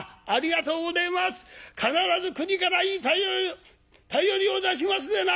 必ず国からいい便りを出しますでな！